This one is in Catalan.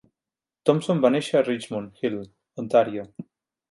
Thomson va néixer a Richmond Hill, Ontario.